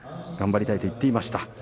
頑張りたいと言っていました。